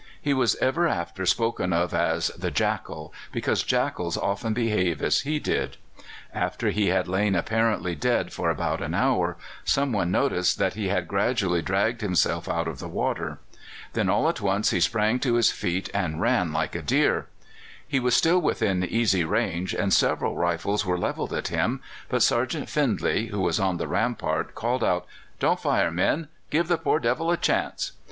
He was ever after spoken of as "the Jackal," because jackals often behave as he did. After he had lain apparently dead for about an hour, some one noticed that he had gradually dragged himself out of the water. Then all at once he sprang to his feet and ran like a deer. He was still within easy range, and several rifles were levelled at him; but Sergeant Findlay, who was on the rampart, called out: "Don't fire, men; give the poor devil a chance."